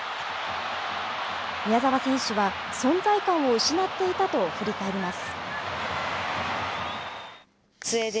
宮澤選手は存在感を失っていたと振り返ります。